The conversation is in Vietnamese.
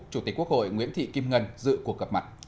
chủ tịch quốc hội nguyễn thị kim ngân dự cuộc gặp mặt